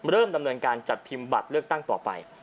เริ่มดำเนินการจัดพิมพ์บัตรเลือกตั้งต่อไป